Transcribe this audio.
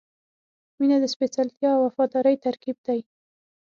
• مینه د سپېڅلتیا او وفادارۍ ترکیب دی.